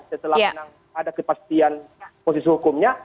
setelah memang ada kepastian posisi hukumnya